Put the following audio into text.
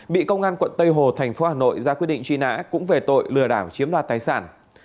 bị công an quận tây hồ thành phố hà nội ra quyết định truy nã cũng về tội lừa đảo chiếm đoạt tài sản